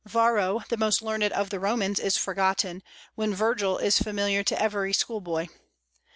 Varro, the most learned of the Romans, is forgotten, when Virgil is familiar to every school boy.